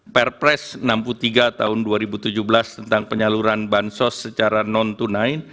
perpres enam puluh tiga tahun dua ribu tujuh belas tentang penyaluran bansos secara non tunai